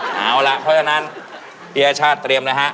เอาละเพราะฉะนั้นพี่ชัดเตรียมนะฮะ